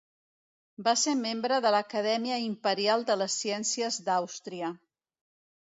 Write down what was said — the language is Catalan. Va ser membre de l'Acadèmia Imperial de les Ciències d'Àustria.